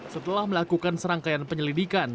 setelah melakukan serangkaian penyelidikan